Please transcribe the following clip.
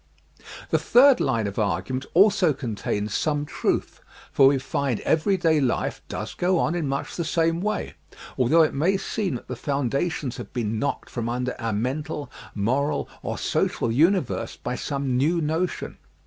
The third line of argument also contains some truth for we find everyday life does go on in much the same way, al though it may seem that the foundations have been knocked from under our mental, moral or social uni verse by some new notion.